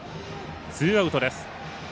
ツーアウトです。